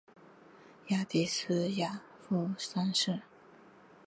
瓦迪斯瓦夫三世。